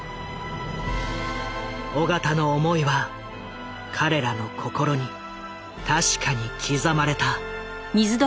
緒方の思いは彼らの心に確かに刻まれた。